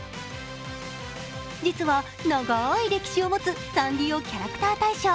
実は長い歴史を持つサンリオキャラクター大賞。